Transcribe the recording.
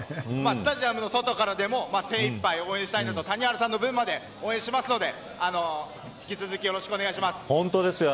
スタジアムの外からでも精いっぱい応援したいなと谷原さんの分まで応援するので引き続きよろしくお願いします。